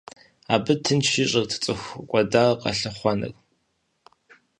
Абы тынш ищӏырт цӏыху кӏуэдар къэлъыхъуэныр.